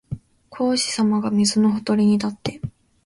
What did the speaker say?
孔子さまが水のほとりに立って、